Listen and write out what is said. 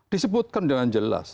disebutkan dengan jelas